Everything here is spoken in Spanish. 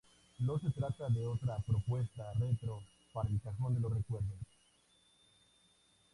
No se trata de otra propuesta retro para el cajón de los recuerdos.